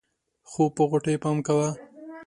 خو په غوټۍ پام کوه.